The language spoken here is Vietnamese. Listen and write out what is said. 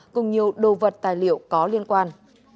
cùng nhiều đồ vật tài liệu có liên quan